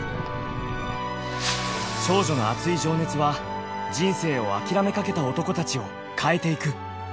少女のアツい情熱は人生を諦めかけた男たちを変えていく！